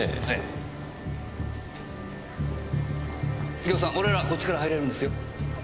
右京さん俺らこっちから入れるんですよ。